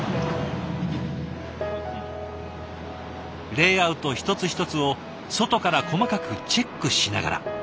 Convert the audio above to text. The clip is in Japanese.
レイアウト一つ一つを外から細かくチェックしながら。